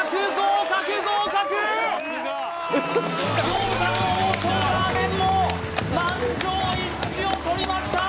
餃子の王将ラーメンも満場一致をとりました！